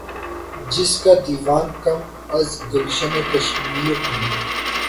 جس کا دیوان کم از گلشنِ کشمیر نہیں